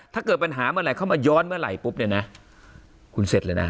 ถ้าเกิดปัญหาเมื่อไหร่เข้ามาย้อนเมื่อไหร่ปุ๊บเนี่ยนะคุณเสร็จเลยนะ